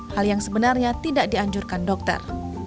hal yang sebenarnya tidak dianjurkan dokter